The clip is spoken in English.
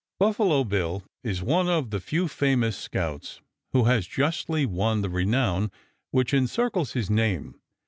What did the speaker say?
Buffalo Bill is one of the few famous scouts who has justly won the renown which encircles his name.